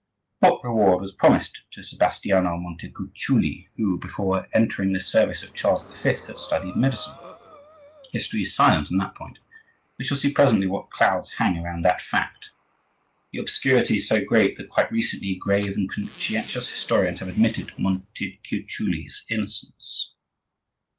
What reward was promised to Sebastiano Montecuculi, who, before entering the service of Charles V. had studied medicine? History is silent on that point. We shall see presently what clouds hang round that fact. The obscurity is so great that, quite recently, grave and conscientious historians have admitted Montecuculi's innocence.